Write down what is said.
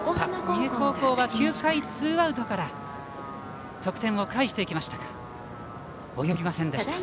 三重高校は９回ツーアウトから得点を返していきましたが及びませんでした。